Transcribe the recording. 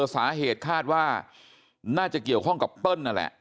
สาเหตุคาดว่าน่าจะเกี่ยวข้องกับเปิ้ลนั่นแหละ